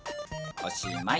おしまい。